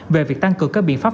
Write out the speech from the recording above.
về việc tăng cường các biện pháp